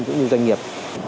cũng như doanh nghiệp